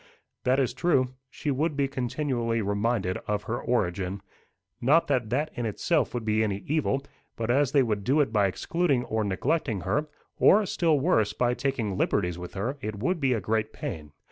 "That is true. She would be continually reminded of her origin. Not that that in itself would be any evil; but as they would do it by excluding or neglecting her, or, still worse, by taking liberties with her, it would be a great pain.